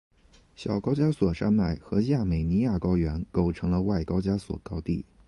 小高加索山脉和亚美尼亚高原构成了外高加索高地。